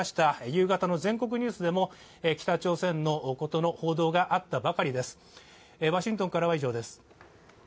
夕方の全国ニュースでも北朝鮮の報道があったばかりです。